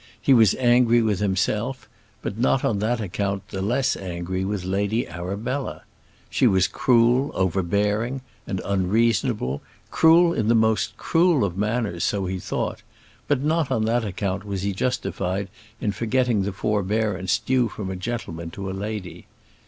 He was angry with himself; but not on that account the less angry with Lady Arabella. She was cruel, overbearing, and unreasonable; cruel in the most cruel of manners, so he thought; but not on that account was he justified in forgetting the forbearance due from a gentleman to a lady.